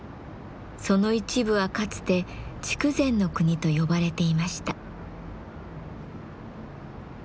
その一部はかつて筑前国と呼ばれていました。